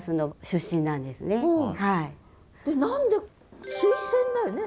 で何でスイセンだよね